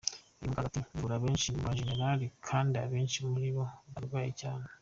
Uyu muganga ati: “Mvura benshi mu bajenerali kandi abenshi muri bo bararwaye cyane.